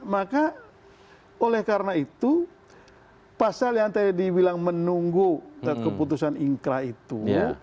maka oleh karena itu pasal yang tadi dibilang menunggu keputusan ingkra itu